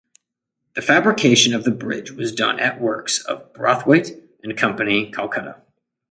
The fabrication of the bridge was done at works of Braithwate and Company, Calcutta.